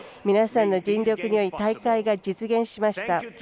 皆さんの尽力により大会が実現しました。